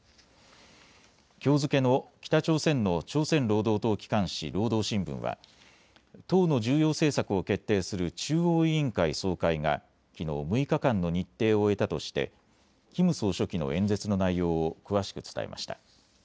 きょう付けの北朝鮮の朝鮮労働党機関紙、労働新聞は党の重要政策を決定する中央委員会総会がきのう６日間の日程を終えたとして、キム総書記の演説の内容を詳しく伝えました。